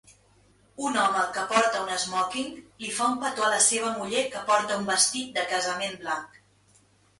Un home que porta un esmòquing li fa un petó a la seva muller que porta un vestit de casament blanc.